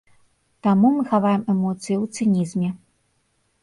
Таму мы хаваем эмоцыі у цынізме.